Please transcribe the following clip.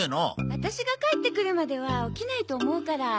ワタシが帰ってくるまでは起きないと思うから。